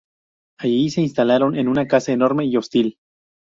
Allí se instalaron en una casa enorme y hostil.